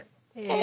え。